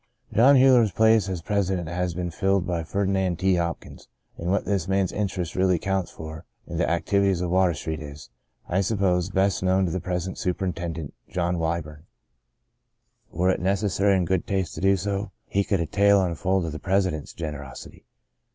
John Huyler's place as president has been filled by Ferdinand T. Hopkins, and what this man's interest really counts for in the activities of Water Street is, I suppose, best known to the present superintendent, John Wyburn. 28 The Greatest of These Were it necessary or in good taste to do so, he could a tale unfold of the president's gener osity.